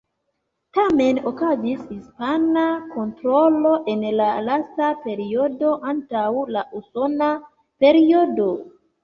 Tamen okazis hispana kontrolo en la lasta periodo antaŭ la usona periodo.